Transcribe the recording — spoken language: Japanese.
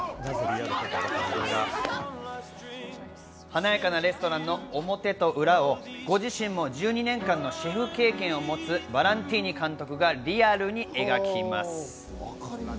華やかなレストランの表と裏をご自身も１２年間のシェフ経験を持つバランティーニ監督がリアルに描きます。